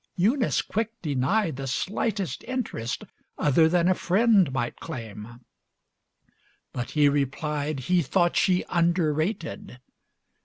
Eunice quick denied The slightest interest other than a friend Might claim. But he replied He thought she underrated.